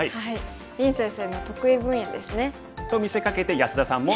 林先生の得意分野ですね。と見せかけて安田さんも得意ですよ。